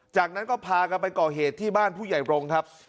จากนั้นก็พากันไปก่อเหตุที่บ้านผู้ใหญ่รงค์ครับ